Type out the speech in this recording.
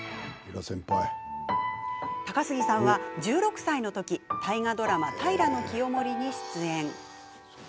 高杉さんは、１６歳の時大河ドラマ「平清盛」に出演。